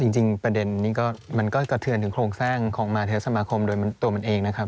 จริงประเด็นนี้มันก็กระเทือนถึงโครงสร้างของมาเทศสมาคมโดยตัวมันเองนะครับ